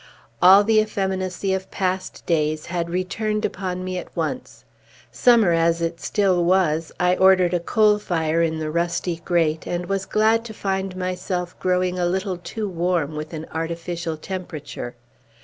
All the effeminacy of past days had returned upon me at once. Summer as it still was, I ordered a coal fire in the rusty grate, and was glad to find myself growing a little too warm with an artificial temperature.